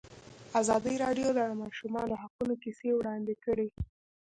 ازادي راډیو د د ماشومانو حقونه کیسې وړاندې کړي.